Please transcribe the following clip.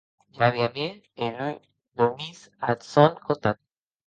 Javi amie e Lu dormís ath sòn costat.